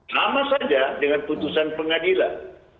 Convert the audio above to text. sama saja dengan putusan pengadilan